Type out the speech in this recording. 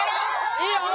いいよ！